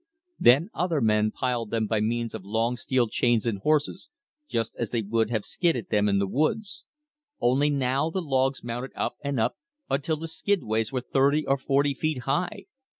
Then other men piled them by means of long steel chains and horses, just as they would have skidded them in the woods. Only now the logs mounted up and up until the skidways were thirty or forty feet high.